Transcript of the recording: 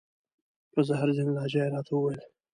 په زهرجنه لهجه یې را ته و ویل: